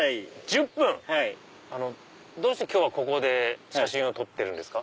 １０分⁉どうして今日はここで写真を撮ってるんですか？